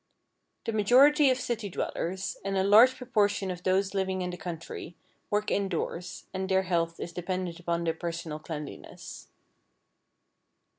The majority of city dwellers, and a large proportion of those living in the country, work indoors, and their health is dependent upon their personal cleanliness.